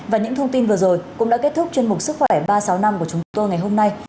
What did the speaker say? và những thông tin vừa rồi cũng đã kết thúc chuyên mục sức khỏe ba trăm sáu mươi năm của chúng tôi ngày hôm nay